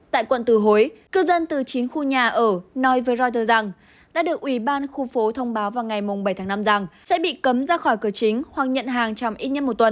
tại quận từ hối cư dân từ chín khu nhà ở nói với reuters rằng đã được ủy ban khu phố thông báo vào ngày bảy tháng năm rằng sẽ bị cấm ra khỏi cửa chính hoặc nhận hàng trong ít nhất một tuần